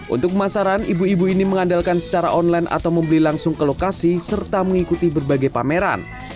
untuk pemasaran ibu ibu ini mengandalkan secara online atau membeli langsung ke lokasi serta mengikuti berbagai pameran